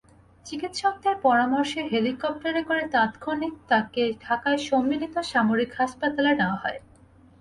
চিকিৎসকদের পরামর্শে হেলিকপ্টারে করে তাৎক্ষণিক তাঁকে ঢাকায় সম্মিলিত সামরিক হাসপাতালে নেওয়া হয়।